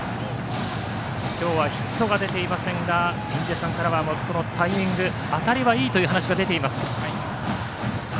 今日はヒットが出ていませんが印出さんからはタイミング当たりはいいという話が出ています。